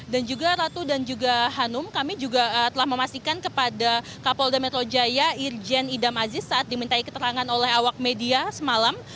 dan juga ratu dan juga hanum kami juga telah memastikan kepada kapolda metro jaya irjen idam aziz saat dimintai keterangan oleh awak media semalam